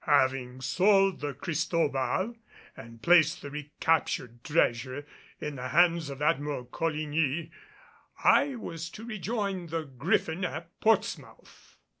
Having sold the Cristobal and placed the recaptured treasure in the hands of Admiral Coligny, I was to rejoin the Griffin at Portsmouth.